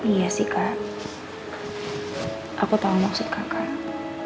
iya sih kak aku tolong maksud kakak